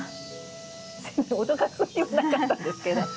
脅かす気はなかったんですけど。